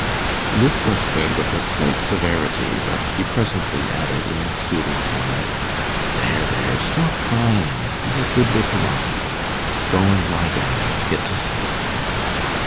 This was said with a slight severity; but he presently added, in a soothing tone, 'There, there, stop crying, and be a good little monkey. Go and lie down and get to sleep.